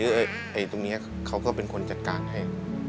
โอกะนี่มันเป็นคนจัดการให้